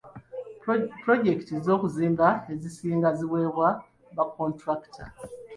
Pulojekiti z'okuzimba ezisinga ziweebwa ba kkontulakita.